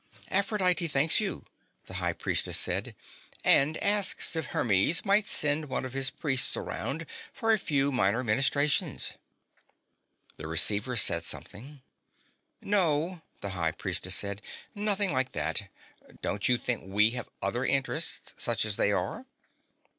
"Aphrodite thanks you," the High Priestess said, "and asks if Hermes might send one of his priests around for a few minor ministrations." The receiver said something else. "No," the High Priestess said. "Nothing like that. Don't you think we have other interests such as they are?"